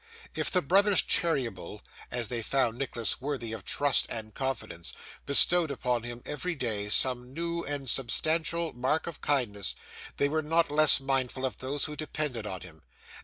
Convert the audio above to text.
If the brothers Cheeryble, as they found Nicholas worthy of trust and confidence, bestowed upon him every day some new and substantial mark of kindness, they were not less mindful of those who depended on him.